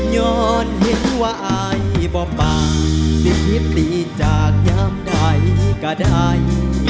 ย้อนเห็นว่าอายบ่าปากสิทธิจากย้ำใดก็ได้